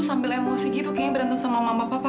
sambil emosi gitu kayaknya berantem sama mama papa